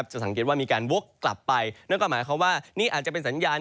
สังเกตว่ามีการวกกลับไปนั่นก็หมายความว่านี่อาจจะเป็นสัญญาณ